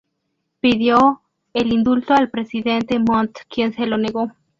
Pidió el indulto al Presidente Montt, quien se lo negó.